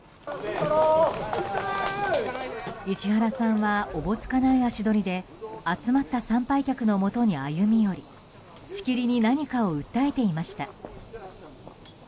石原さんはおぼつかない足取りで集まった参拝客のもとに歩み寄りしきりに何かを訴えていました。